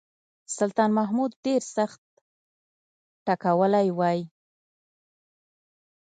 سلطان محمود ډېر سخت ټکولی وای.